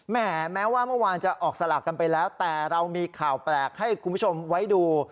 แม้ว่าเมื่อวานจะออกสลากกันไปแล้วแต่เรามีข่าวแปลกให้คุณผู้ชมไว้ดู